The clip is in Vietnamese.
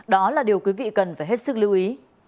đó là điều quý vị cần phải hết sức lưu ý